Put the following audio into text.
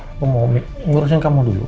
aku mau ngurusin kamu dulu